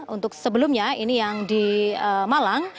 untuk sebelumnya ini yang di malang